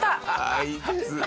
あいつ。